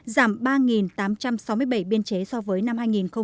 giảm ba tám trăm sáu mươi bảy biên chế so với năm hai nghìn hai mươi